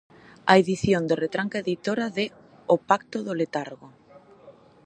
A edición de Retranca Editora de O pacto do Letargo.